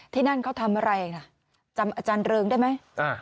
ที่นั่นเขาทำอะไรล่ะจำอาจารย์เริงได้ไหม